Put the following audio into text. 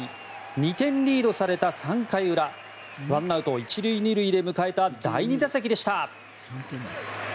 ２点リードされた３回裏１アウト１塁２塁で迎えた第２打席でした。